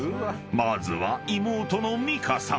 ［まずは妹の美香さん］